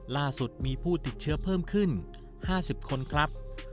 ล่าสุดมีผู้ติดเชื้อเพิ่มขึ้น๕๐คนครับ